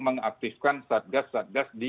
mengaktifkan satgas satgas di